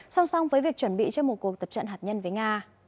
song song với việc chuẩn bị cho một cuộc tập trận hạt nhân với nga